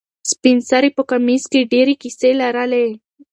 سپین سرې په کمیس کې ډېرې کیسې لرلې.